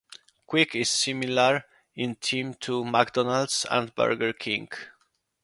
Quick is similar in theme to McDonald's and Burger King.